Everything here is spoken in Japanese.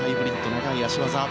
長い脚技。